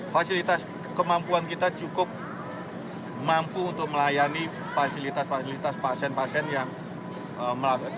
fasilitas kemampuan kita cukup mampu untuk melayani fasilitas fasilitas pasien pasien yang melakukan